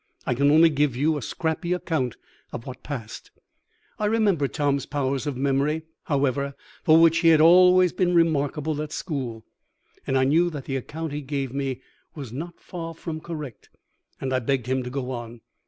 I can only give you a scrappy account of what passed." I remembered Tom's powers of memory, however, for which he had always been remarkable at school, and I knew that the account he gave me was not far from correct, and I begged him to go on.